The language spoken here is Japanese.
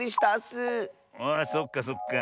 あそっかそっか。